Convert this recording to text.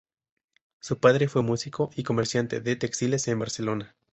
Su padre fue músico y comerciante de textiles en Barcelona.